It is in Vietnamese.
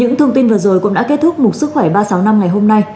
xin chào và hẹn gặp lại vào khung giờ này ngày mai